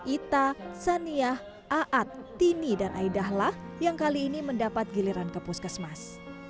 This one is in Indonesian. ita saniah a'at tini dan aida lah yang kali ini mendapat giliran ke puskesmas